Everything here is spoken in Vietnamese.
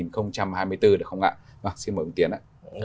được không ạ xin mời ông tiến ạ